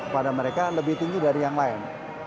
pada mereka lebih tinggi dari yang lain